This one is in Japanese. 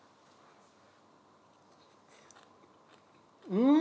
うん！